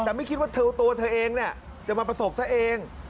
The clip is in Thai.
แต่ไม่คิดว่าตัวเธอเองจะมาประสบซะเอง